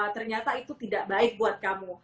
ternyata itu tidak baik buat kamu